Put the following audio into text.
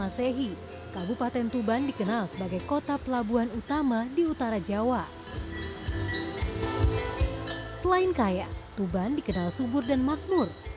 sinti tihir mari allah kan ditaman